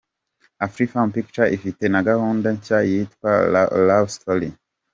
Afrifame Pictures ifite na gahunda nshya yitwa ’Lovestory’.